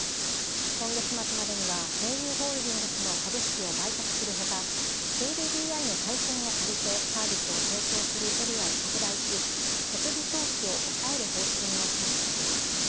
今月末までには、西友ホールディングスの株式を売却するほか、ＫＤＤＩの回線を借りて、サービスを提供するエリアを拡大し、設備投資を抑える方針を示しています。